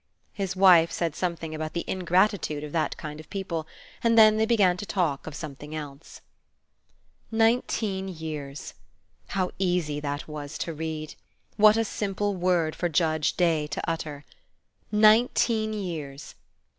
His wife said something about the ingratitude of that kind of people, and then they began to talk of something else. Nineteen years! How easy that was to read! What a simple word for Judge Day to utter! Nineteen years!